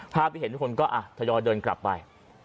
ภาพที่เห็นทุกคนก็ทยอยเดินกลับไป